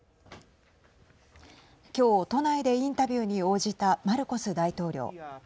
今日都内でインタビューに応じたマルコス大統領。